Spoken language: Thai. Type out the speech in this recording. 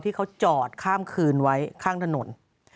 ที่เขาจอดข้ามคืนไว้ข้างถนน